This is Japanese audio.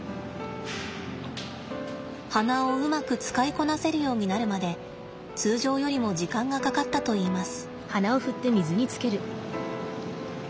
鼻をうまく使いこなせるようになるまで通常よりも時間がかかったといいます。